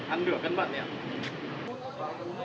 ăn nửa cân mận đấy ạ